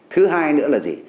thứ hai nữa là gì